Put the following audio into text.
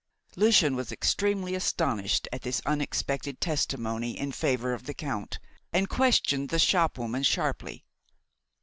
Lucian was extremely astonished at this unexpected testimony in favour of the Count, and questioned the shopwoman sharply.